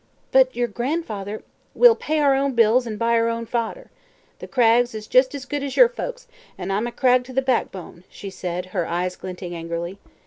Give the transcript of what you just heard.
"But your grandfather " "We'll pay our own bills an' buy our own fodder. The Craggs is jus' as good as yer folks, an' I'm a Cragg to the backbone," she cried, her eyes glinting angrily.